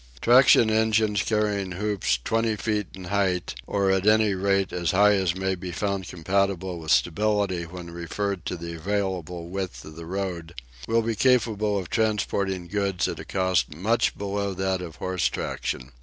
Traction engines carrying hoops twenty feet in height, or at any rate as high as may be found compatible with stability when referred to the available width on the road, will be capable of transporting goods at a cost much below that of horse traction.